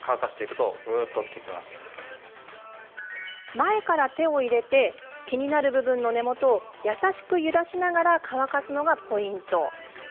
前から手を入れて気になる部分の根元を優しく揺らしながら乾かします。